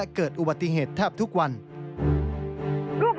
ทำให้เกิดปัชฎพลลั่นธมเหลืองผู้สื่อข่าวไทยรัฐทีวีครับ